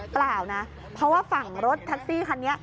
เปล่านะเพราะว่าฝั่งรถแท็กซี่คันนี้